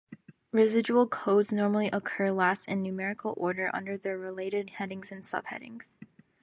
Residual codes normally occur last in numerical order under their related headings and subheadings.